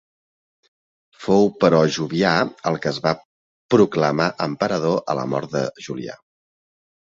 Fou però Jovià el que es va proclamar emperador a la mort de Julià.